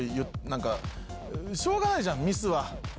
何かしょうがないじゃんミスは。